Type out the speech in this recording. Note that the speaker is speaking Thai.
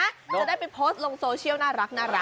จะได้ไปโพสต์ลงโซเชียลน่ารัก